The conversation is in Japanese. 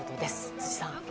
辻さん。